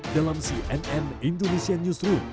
dalam cnn indonesia newsroom